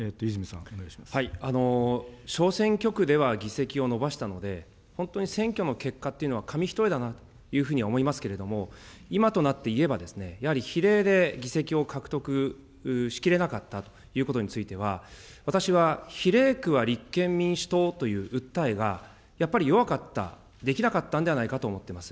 小選挙区では議席を伸ばしたので、本当に選挙の結果っていうのは、紙一重だなというふうに思いますけれども、今となっていえば、やはり比例で議席を獲得しきれなかったということについては、私は比例区は立憲民主党という訴えが、やっぱり弱かった、できなかったんではないかと思っています。